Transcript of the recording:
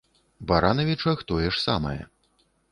Баранавічах тое ж самае.